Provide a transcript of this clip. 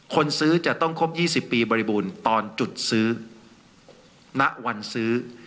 คนซื้อจะต้องครบ๒๐ปีบริบูรณ์ตอนจุดซื้อณวันซื้อ